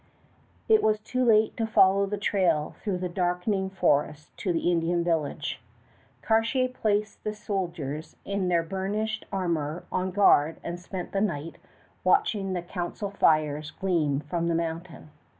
It was too late to follow the trail through the darkening forest to the Indian village. Cartier placed the soldiers in their burnished armor on guard and spent the night watching the council fires gleam from the mountain.